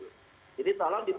bagi kami tidak ada konsep